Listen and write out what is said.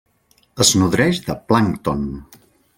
Es nodreix de plàncton.